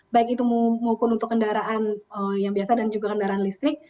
baik itu maupun untuk kendaraan yang biasa dan juga kendaraan listrik